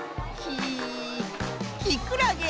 きくらげ。